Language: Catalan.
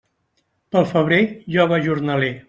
Pel febrer lloga jornaler.